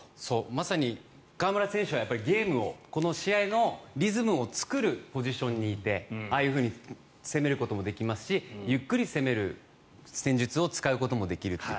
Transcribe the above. まさに河村選手はゲームをこの試合のリズムを作るポジションにいてああいうふうに攻めることもできますしゆっくり攻める戦術を使うこともできるという。